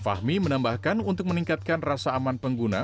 fahmi menambahkan untuk meningkatkan rasa aman pengguna